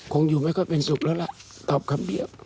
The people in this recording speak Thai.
คงอยู่ไม่ค่อยเป็นสุขแล้วล่ะตอบคำเดียว